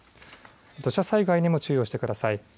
土砂災害にも注意をしてください。